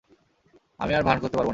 আমি আর ভান করতে পারব না।